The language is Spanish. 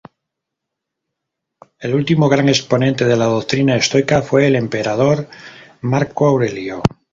El último gran exponente de la doctrina estoica fue el emperador Marco Aurelio.